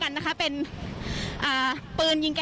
คุณภาคภูมิพยายามอยู่ในจุดที่ปลอดภัยด้วยนะคะ